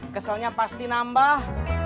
keselnya pasti nambah